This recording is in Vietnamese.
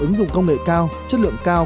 ứng dụng công nghệ cao chất lượng cao